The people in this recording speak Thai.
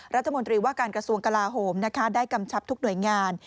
รัฐมนตรีว่าการกระทรวงกลาโหมได้กำชับทุกหน่วยงาน